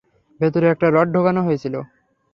ভেতরে একটা রড ঢুকানো হয়েছিল।